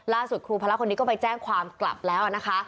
ครูพระคนนี้ก็ไปแจ้งความกลับแล้วนะคะ